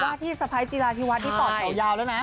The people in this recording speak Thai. ที่สะพ้ายจีราธิวัฒน์นี่ต่อแถวยาวแล้วนะ